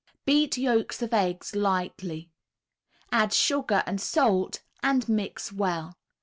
Beat yolks of eggs lightly; add sugar and salt, and mix well.